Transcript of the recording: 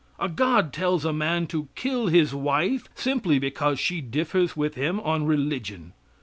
A God tells a man to kill his wife simply because she differs with him on religion!